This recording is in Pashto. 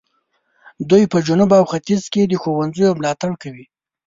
دوی په جنوب او ختیځ کې د ښوونځیو ملاتړ کوي.